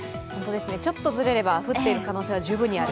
ちょっとずれれば降っている可能性は十分にある。